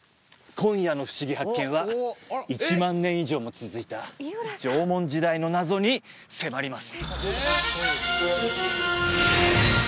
今夜の「ふしぎ発見！」は１万年以上も続いた縄文時代の謎に迫ります！